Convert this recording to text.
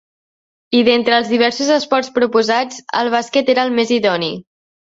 I d'entre els diversos esports proposats, el bàsquet era el més idoni.